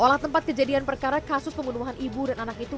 olah tempat kejadian perkara kasus pembunuhan ibu dan anak itu